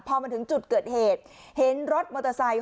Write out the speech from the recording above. พอมาถึงจุดเกิดเหตุเห็นรถมอเตอร์ไซค์